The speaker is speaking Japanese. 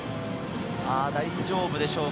大丈夫でしょうか。